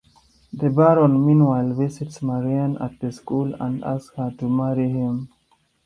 The Baron, meanwhile, visits Marianne at the school and asks her to marry him.